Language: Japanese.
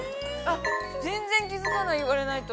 全然気づかない、言われないと。